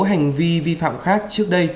hành vi vi phạm khác trước đây